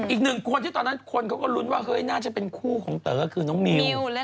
อีกหนึ่งคนที่ตอนนั้นคนเขาก็ลุ้นว่าเฮ้ยน่าจะเป็นคู่ของเต๋อคือน้องมิว